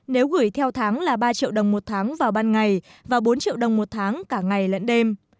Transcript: nếu gửi theo tháng là ba triệu đồng một tháng vào ban ngày và bốn triệu đồng một tháng cả ngày lẫn đêm